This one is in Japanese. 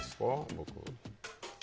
僕。